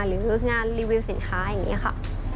หรืองานรีวิวสินค้าอย่างนี้ค่ะ